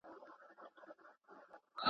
د ښار کوڅې به وي لښکر د ابوجهل نیولي!